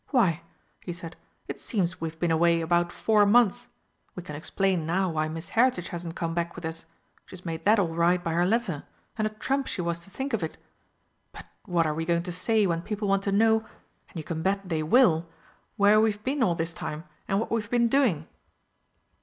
"Why," he said, "it seems we've been away about four months. We can explain now why Miss Heritage hasn't come back with us. She's made that all right by her letter and a trump she was to think of it! But what are we going to say when people want to know and you can bet they will where we've been all this time and what we've been doing?"